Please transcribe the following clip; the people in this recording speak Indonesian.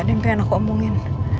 ada yang pengen aku omongin